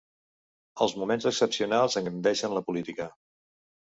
Els moments excepcionals engrandeixen la política.